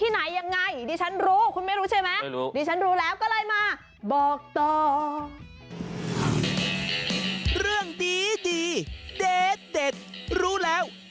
ฮงฮ